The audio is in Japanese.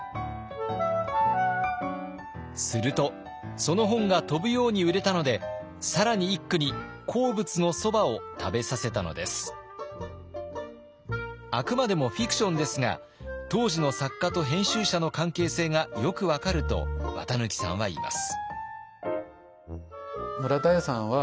するとその本が飛ぶように売れたので更に一九にあくまでもフィクションですが当時の作家と編集者の関係性がよく分かると綿抜さんは言います。